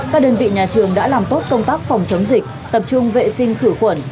các đơn vị nhà trường đã làm tốt công tác phòng chống dịch tập trung vệ sinh khử khuẩn